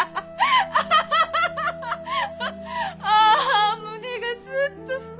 あ胸がスッとした！